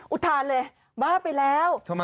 อุทานเลยบ้าไปแล้ว